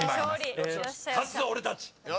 勝つぞ俺たち！